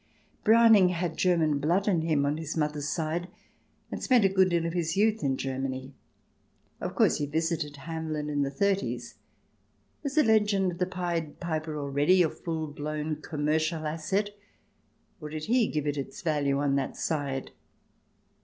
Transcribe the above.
Browning had German blood in him on his CH. xiii] GRAND DUKES AND GIPSIES i8i mother's side, and spent a good deal of his youth in Germany. Of course, he visited Hamelin in the 'thirties. Was the legend of the Pied Piper already a full blown commercial asset, or did he give it its value on that side